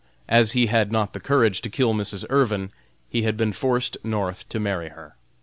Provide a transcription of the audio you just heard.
As he had not the courage to kill Mrs. Irvin, he had been forced North to marry her.